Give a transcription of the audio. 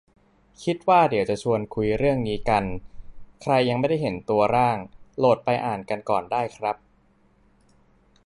คิดว่าเดี๋ยวจะชวนคุยเรื่องนี้กัน ใครยังไม่ได้เห็นตัวร่าง โหลดไปอ่านกันก่อนได้ครับ